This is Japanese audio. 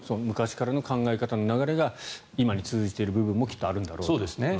昔からの考え方の流れが今に通じている部分もきっとあるんだろうと。